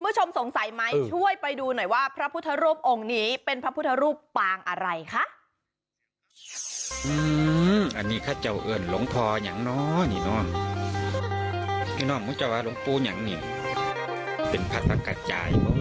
คุณผู้ชมสงสัยไหมช่วยไปดูหน่อยว่าพระพุทธรูปองค์นี้เป็นพระพุทธรูปปางอะไรคะ